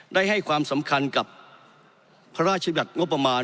ได้ให้ความสำคัญกับพระราชบัญญัติงบประมาณ